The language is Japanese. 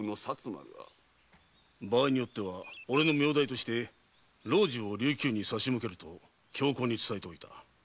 場合によっては俺の名代として老中を琉球に差し向けると強硬に伝えておいた。